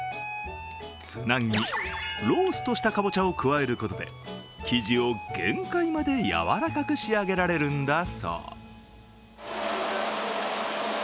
つなぎにローストしたかぼちゃを加えることで生地を限界までやわらかく仕上げられるんだそう。